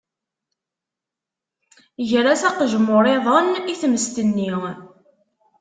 Ger-as aqejmur-iḍen i tmes-nni.